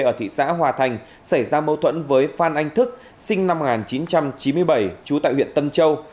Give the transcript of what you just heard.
ở thị xã hòa thành xảy ra mâu thuẫn với phan anh thức sinh năm một nghìn chín trăm chín mươi bảy trú tại huyện tân châu